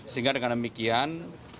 sehingga dengan demikian